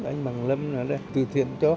anh bằng lâm ở đây từ thiện cho